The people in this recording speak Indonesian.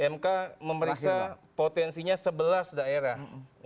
mk memeriksa potensinya sebelas daerah